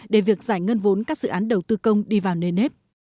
để việc giải ngân vốn các dự án đầu tư công đi vào nền nếp